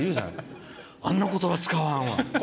あんな言葉使わんわ。